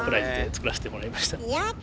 やった！